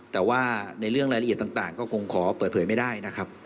แต่ว่าในเรื่องรายละเอียดต่างก็คงขอเปิดเผยไม่ได้นะครับ